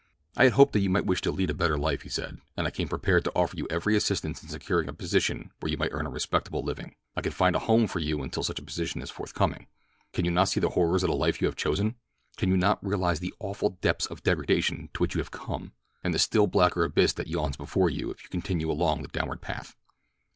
"I had hoped that you might wish to lead a better life," he said, "and I came prepared to offer you every assistance in securing a position where you might earn a respectable living. I can find a home for you until such a position is forthcoming. Can you not see the horrors of the life you have chosen? Can you not realize the awful depths of degradation to which you have come, and the still blacker abyss that yawns before you if you continue along the downward path?